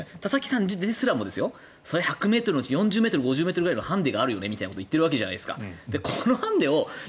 田崎さんですらも１００ｍのうち４０ｍ、５０ｍのハンデがあるよねって言っているわけじゃないですか。